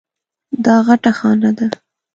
دا غټه خانه ده.